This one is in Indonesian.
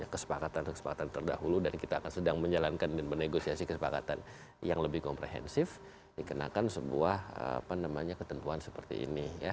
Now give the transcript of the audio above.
kesepakatan kesepakatan terdahulu dan kita akan sedang menjalankan dan menegosiasi kesepakatan yang lebih komprehensif dikenakan sebuah ketentuan seperti ini